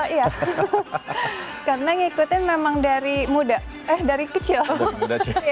iya karena ngikutin memang dari muda eh dari kecil